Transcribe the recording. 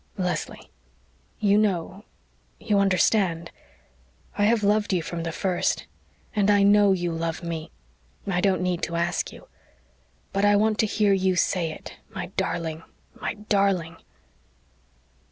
Leslie, you know you understand. I have loved you from the first. And I KNOW you love me I don't need to ask you. But I want to hear you say it my darling my darling!"